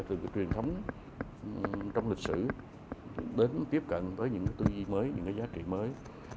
từ cái truyền thống trong lịch sử đến tiếp cận với những tư duy mới những cái giá trị mới